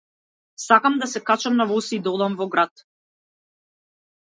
Сакам да се качам на воз и да одам во град.